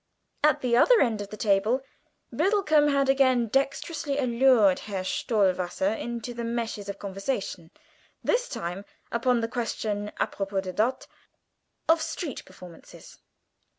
At the other end of the table Biddlecomb had again dexterously allured Herr Stohwasser into the meshes of conversation; this time upon the question (à propos de bottes) of street performances.